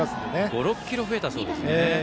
５６ｋｇ増えたそうです。